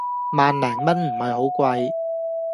萬零蚊唔係好貴